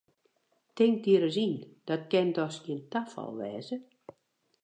Tink dy ris yn, dat kin dochs gjin tafal wêze!